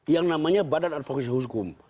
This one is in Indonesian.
yang namanya badan advokasi hukum